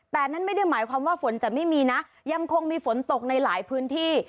แต่นั่นไม่ได้หมายความว่าฝนจะไม่มีนะยังคงมีฝนตกในหลายพื้นที่